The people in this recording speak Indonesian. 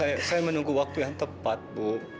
itu tratar mu dia harus cp nanti sop